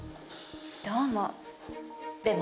どうも。